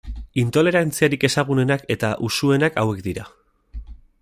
Intolerantziarik ezagunenak eta usuenak hauek dira.